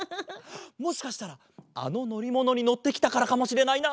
もしかしたらあののりものにのってきたからかもしれないな。